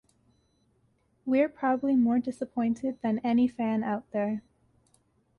We're probably more disappointed than any fan out there.